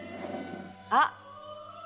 あっ。